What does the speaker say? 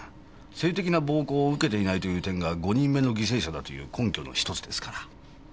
性的な暴行を受けていないという点が５人目の犠牲者だという根拠のひとつですから。